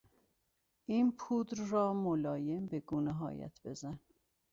این پودر را ملایم به گونههایت بزن.